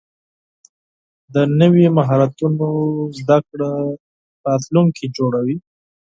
د نوي مهارتونو زده کړه راتلونکی جوړوي.